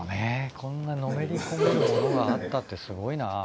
こんなのめり込めるものがあったってすごいな。